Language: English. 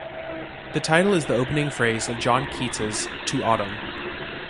The title is the opening phrase of John Keats' "To Autumn".